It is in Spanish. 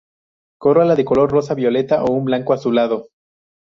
Corola de un color rosa violeta o un blanco azulado.